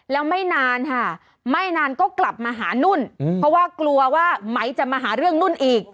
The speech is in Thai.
แล้วไม่นานค่ะไม่นานก็กลับมาหานุ่นเพราะว่ากลัวว่าไหมจะมาหาเรื่องนุ่นอีก